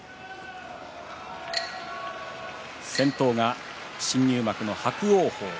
先頭が新入幕の伯桜鵬。